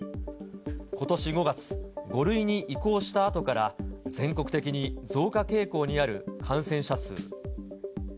ことし５月、５類に移行したあとから、全国的に増加傾向にある感染者数。